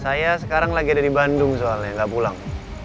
saya sekarang lagi ada di bandung soalnya nggak pulang